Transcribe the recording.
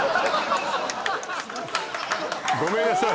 ごめんなさい